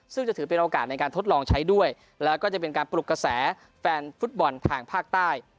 ซึ่งจะถือเป็นโอกาสในการทดลองใช้ด้วยแล้วก็จะเป็นการปลุกกระแสแฟนฟุตบอลทางภาคใต้